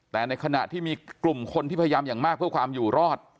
แต่ในขณะที่มีกลุ่มคนที่พยายามอย่างมากเพื่อความอยู่รอด